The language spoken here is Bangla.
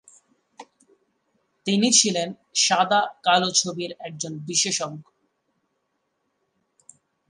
তিনি ছিলেন সাদা-কালো ছবির একজন বিশেষজ্ঞ।